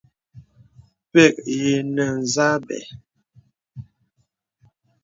Pə̀k ǐ nə̀ zâ bə̀.